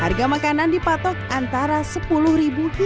harga makanan dipatok antara sepuluh hingga lima puluh rupiah per item